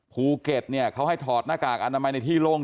ภูเก็ตเนี่ยเขาให้ถอดหน้ากากอนามัยในที่โล่ง